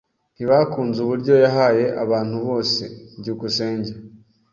Ntibakunze uburyo yahaye abantu bose. byukusenge